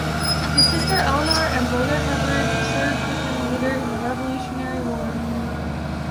His sister Eleanor and brother Hebard served with him later in the Revolutionary War.